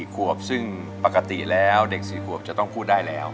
ขวบซึ่งปกติแล้วเด็ก๔ขวบจะต้องพูดได้แล้ว